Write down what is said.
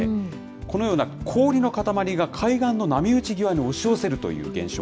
このような氷の塊が海岸の波打ち際に押し寄せるという現象。